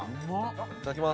いただきます。